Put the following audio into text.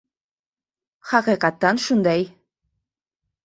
Haqiqatan shunday.